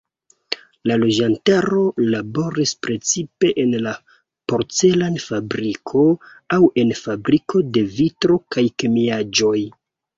La loĝantaro laboris precipe en la porcelan-fabriko aŭ en fabriko de vitro kaj kemiaĵoj.